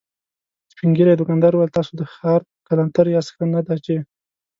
سپين ږيری دوکاندار وويل: تاسو د ښار کلانتر ياست، ښه نه ده چې…